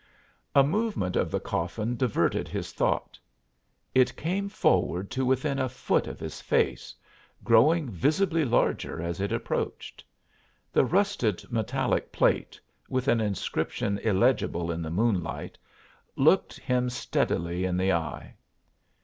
A movement of the coffin diverted his thought. It came forward to within a foot of his face, growing visibly larger as it approached. The rusted metallic plate, with an inscription illegible in the moonlight, looked him steadily in the eye.